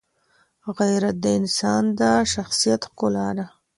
غیرت د انسان د شخصیت ښکلا ده.